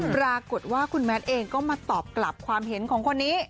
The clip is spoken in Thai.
ปรากฏว่าคุณแมทเองก็มาตอบกลับความเห็นของคนนี้